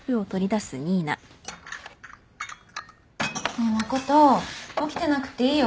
ねえ誠起きてなくていいよ。